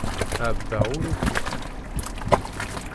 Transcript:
Ɛebbaɣ ur ukiɣ.